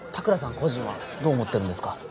個人はどう思ってるんですか？